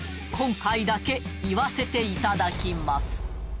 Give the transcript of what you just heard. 今回だけ言わせていただきます